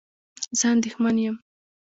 زه اندېښمن یم